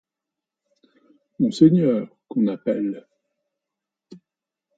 Monseigneur, qu'on appelle.